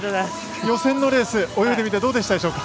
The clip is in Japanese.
予選のレース泳いでみてどうでしたでしょうか？